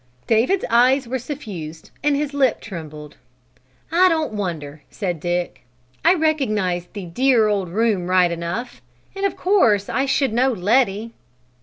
David's eyes were suffused and his lip trembled. "I don't wonder," said Dick. "I recognize the dear old room right enough, and of course I should know Letty."